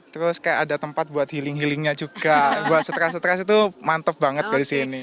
terus kayak ada tempat buat healing healingnya juga buat stress stress itu mantep banget disini